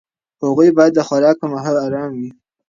هغوی باید د خوراک پر مهال ارام وي.